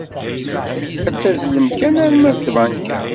Ad tazzlem kan arma d tabanka.